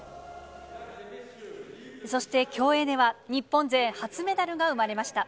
そして、競泳では日本勢初メダルが生まれました。